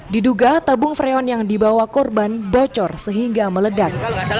diduga tabung freon yang dibawa korban bocor sehingga meledak